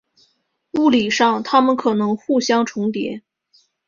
物理上它们可能互相重叠。